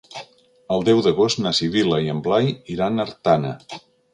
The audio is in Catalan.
El deu d'agost na Sibil·la i en Blai iran a Artana.